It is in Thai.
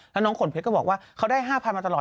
แล้วน้องขนเพชรก็บอกว่าเขาได้๕๐๐๐มาตลอด